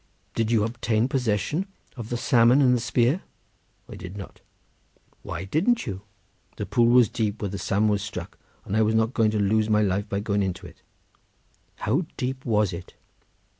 "Did you obtain possession of the salmon and the spear?" "I did not." "Why didn't you?" "The pool was deep where the salmon was struck, and I was not going to lose my life by going into it." "How deep was it?"